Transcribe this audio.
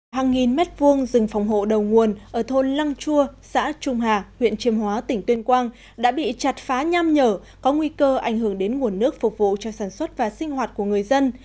hàng nghìn mét vuông rừng phòng hộ đầu nguồn ở thôn lăng chua xã trung hà huyện chiêm hóa tỉnh tuyên quang đã bị chặt phá nham nhở có nguy cơ ảnh hưởng đến nguồn nước phục vụ cho sản xuất và sinh hoạt của người dân